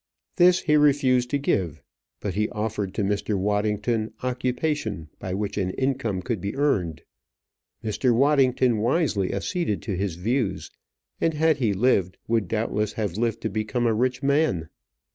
This he refused to give; but he offered to Mr. Waddington occupation by which an income could be earned. Mr. Waddington wisely acceded to his views, and, had he lived, would doubtless have lived to become a rich man.